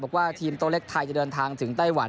บอกว่าทีมโต๊ะเล็กไทยจะเดินทางถึงไต้หวัน